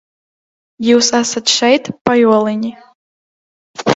Jūs esat šeit, pajoliņi?